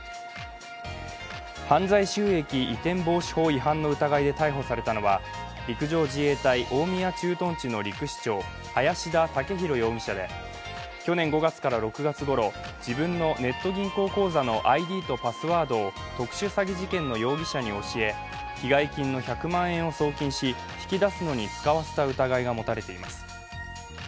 犯罪収益移転防止法違反の疑いで逮捕されたのは陸上自衛隊大宮駐屯地の陸士長・林田武紘容疑者で、去年５月から６月ごろ、自分のネット銀行口座のＩＤとパスワードを特殊詐欺事件の容疑者に教え被害金の１００万円を送金し引き出すのに使わせた疑いが持たれています。